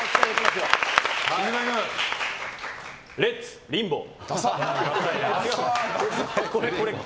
レッツリンボー！